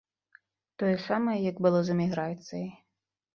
Тое самае, як было з эміграцыяй.